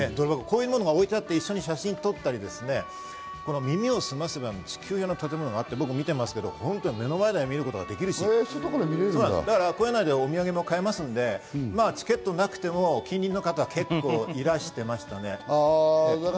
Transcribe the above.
こういうものが置いてあって、一緒に写真撮ったり、『耳をすませば』の地球屋の建物があって、僕も見ましたが目の前で見ることができるし、お土産も買えますし、チケットなくても近隣の方、結構いらしてましたね。